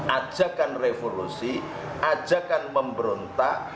ajakan revolusi ajakan pemberontak